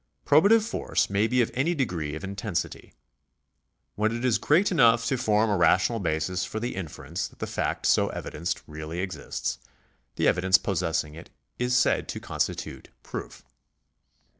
Probative force may be of any degree of intensity. When it is great enough to form a rational basis for the inference that the fact so evidenced really exists, the evidence possessing it is said to constitute proof.